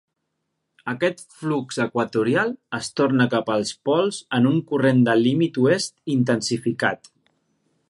Aquest flux equatorial es torna cap als pols en un corrent de límit oest intensificat.